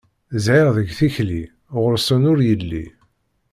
Zzhir deg tikli, ɣur-sen ur yelli.